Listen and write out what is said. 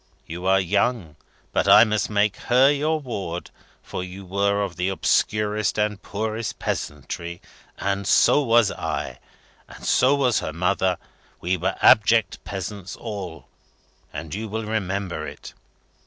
You are young, but I make her your ward, for you were of the obscurest and the poorest peasantry, and so was I, and so was her mother; we were abject peasants all, and you will remember it.'